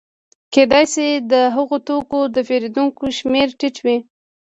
کېدای شي د هغه توکو د پېرودونکو شمېره ټیټه وي